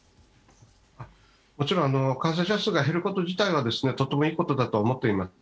もちろん感染者数が減ること自体はとてもいいことだと思っています。